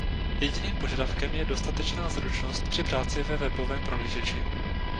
Jediným požadavkem je dostatečná zručnost při práci ve webovém prohlížeči.